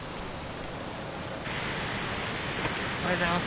おはようございます。